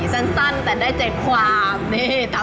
สั้นแต่ได้เจ็ดความ